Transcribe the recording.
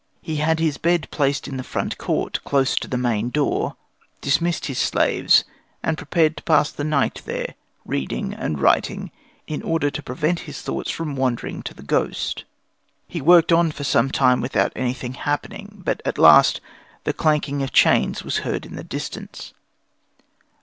He had his bed placed in the front court, close to the main door, dismissed his slaves, and prepared to pass the night there, reading and writing, in order to prevent his thoughts from wandering to the ghost. He worked on for some time without anything happening; but at last the clanking of chains was heard in the distance.